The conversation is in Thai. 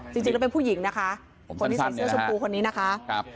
จริงแล้วเป็นผู้หญิงนะคะคนที่ใส่เสื้อชมพูคนนี้นะคะ